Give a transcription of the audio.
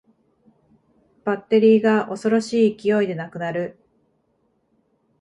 バッテリーが恐ろしい勢いでなくなる